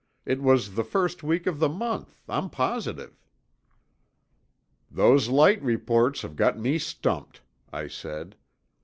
It was the first week of the month, I'm positive." "Those light reports have got me stumped," I said.